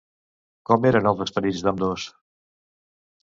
Com eren els esperits d'ambdós?